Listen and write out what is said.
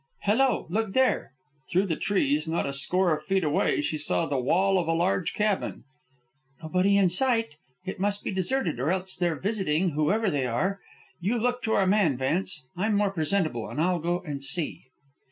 Hello! Look there!" Through the trees, not a score of feet away, she saw the wall of a large cabin. "Nobody in sight. It must be deserted, or else they're visiting, whoever they are. You look to our man, Vance, I'm more presentable, and I'll go and see."